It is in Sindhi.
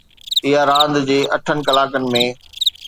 اها راند جي اٺن ڪلاڪن ۾